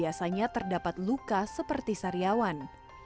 biasanya terdapat luka seperti sariawan